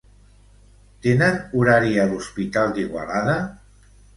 Tenen horari a l'hospital d'Igualada?